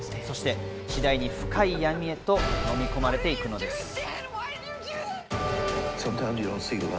そして次第に深い闇へとのみ込まれていくのです。